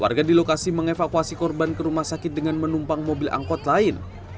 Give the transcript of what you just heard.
warga di lokasi mengevakuasi korban ke rumah sakit dengan menumpang mobil angkot lain